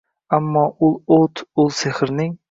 Ammo ul o’t, ul sehrning